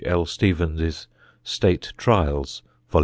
L. Stephen's State Trials, vol.